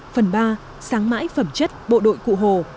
phần ba sáng mãi phẩm chất bộ đội cụ hồ